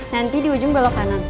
nanti di ujung belok kanan